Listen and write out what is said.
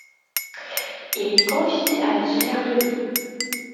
Il est confié à Gilardoni.